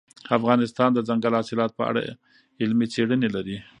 افغانستان د دځنګل حاصلات په اړه علمي څېړنې لري.